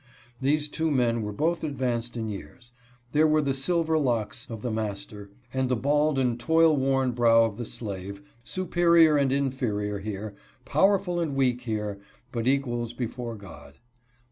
These two men were both advanced in years ; there were the silver 70 UNNATURAL RELATIONS AND JEALOUSIES. locks of the master, and the bald and toil worn brow of the slave — superior and inferior here, powerful and weak here, but equals before God.